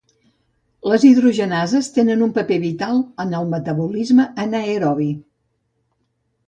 Les hidrogenases tenen un paper vital en el metabolisme anaerobi.